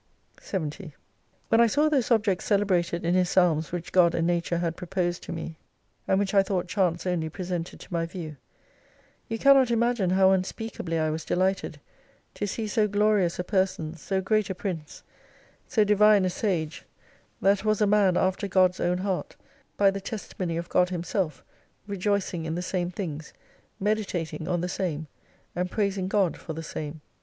70 When I saw those objects celebrated in his psalms which God and Nature had proposed to me, and which 1 thought chance only presented to my view, you can not imagine how tmspeakably I was delighted, to see so glorious a person, so great a prince, so divine a sage, that was a man after God's own heart, by the testimony of God Himself, rejoicing in the same things, meditating on the same, and praising God for the same.